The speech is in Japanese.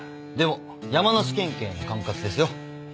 でも山梨県警の管轄ですよ。